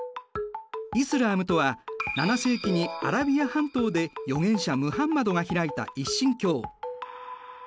イスラームとは７世紀にアラビア半島で預言者ムハンマドがひらいた一神教。